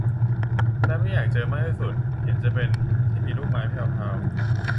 และไม่อยากเจอมากที่สุดเห็นจะเป็น ที่มีลูกไม้แพรวพราว